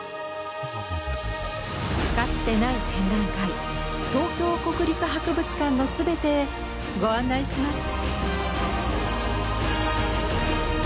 かつてない展覧会「東京国立博物館のすべて」へご案内します。